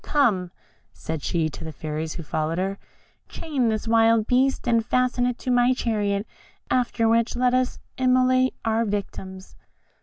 Come," said she to the fairies who followed her, "chain this wild beast, and fasten it to my chariot, after which let us immolate our victims."